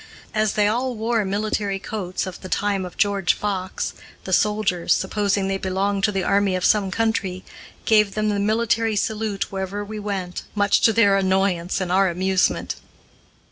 As they all wore military coats of the time of George Fox, the soldiers, supposing they belonged to the army of some country, gave them the military salute wherever we went, much to their annoyance and our amusement.